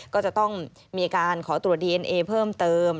ก็จะต้องมีการขอตรวจดีเอ็นเอเพิ่มเติม